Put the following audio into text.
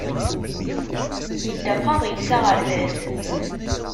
Yedda Faḍil s aɣerbaz.